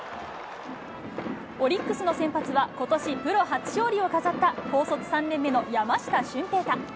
オリックスの先発は、ことしプロ初勝利を飾った、高卒３年目の山下舜平大。